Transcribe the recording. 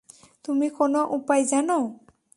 তুমি কোনো উপায় জানো?